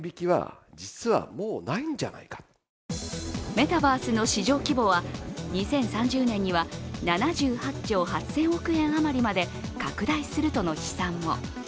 メタバースの市場規模は２０３０年には７８兆８０００億円余りまで拡大するとの試算も。